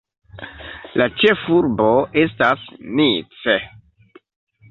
La ĉefurbo estas Nice.